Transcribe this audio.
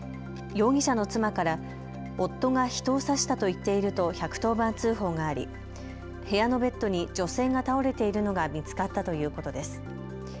容疑者の妻から夫が人を刺したと言っていると１１０番通報があり部屋のベッドに女性が倒れているのが見つかったということです。